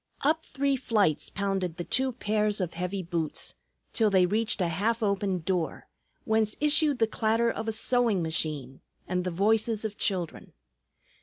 Up three flights pounded the two pairs of heavy boots, till they reached a half open door, whence issued the clatter of a sewing machine and the voices of children.